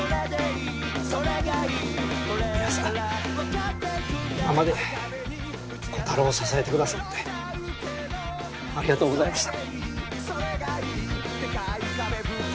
皆さん今までこたろうを支えてくださってありがとうございました。